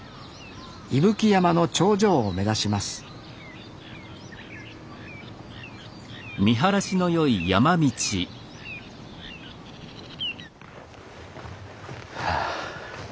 伊吹山の頂上を目指しますはあ